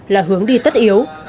là hướng đi tất yếu